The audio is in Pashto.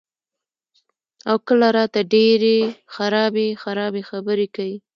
او کله راته ډېرې خرابې خرابې خبرې کئ " ـ